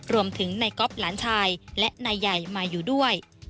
นายก๊อฟหลานชายและนายใหญ่มาอยู่ด้วย